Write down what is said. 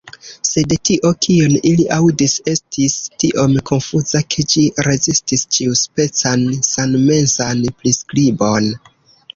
Sed tio, kion ili aŭdis, estis tiom konfuza, ke ĝi rezistis ĉiuspecan sanmensan priskribon.